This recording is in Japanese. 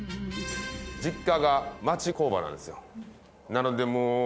実家が町工場なんですよ。